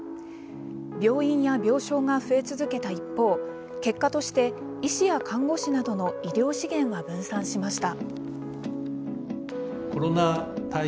病院や病床が増え続けた一方結果として、医師や看護師などの医療資源は分散しました。